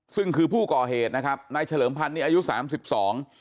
ซึ่งคือผู้ก่อเหตุนะครับนายเฉลิมพันธ์นี้อายุสามสิบสอง